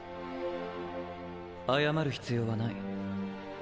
謝る必要はない。